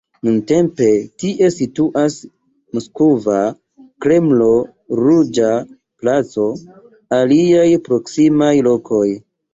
Nuntempe tie situas Moskva Kremlo, Ruĝa placo, aliaj proksimaj lokoj.